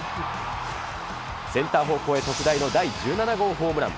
センター方向へ特大の第１７号ホームラン。